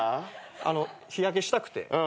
あの日焼けしたくて。